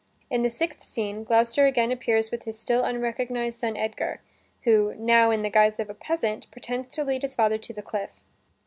In the sixth scene, Gloucester again appears with his still unrecognized son Edgar, who (now in the guise of a peasant) pretends to lead his father to the cliff.